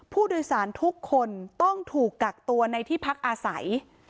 ผู้โดยสารทุกคนต้องถูกกักตัวในที่พักอาศัย